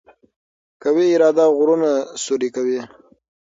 قوي اراده غرونه سوري کوي.